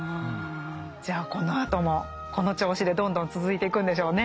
じゃあこのあともこの調子でどんどん続いていくんでしょうね。